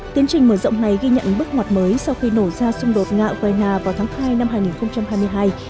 tiến trình mở rộng này ghi nhận bước ngoặt mới sau khi nổ ra xung đột nga ukraine vào tháng hai năm hai nghìn hai mươi hai